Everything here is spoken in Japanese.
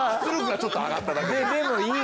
出力がちょっと上がっただけで。